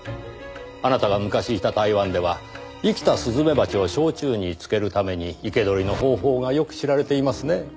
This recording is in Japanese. あなたが昔いた台湾では生きたスズメバチを焼酎に漬けるために生け捕りの方法がよく知られていますね。